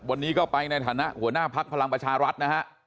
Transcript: วันนี้ก็ไปในฐานะหัวหน้าภักดิ์พลังประชารัฐนะฮะ